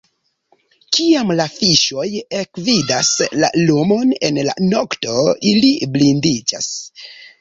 Kiam la fiŝoj ekvidas la lumon en la nokto, ili blindiĝas.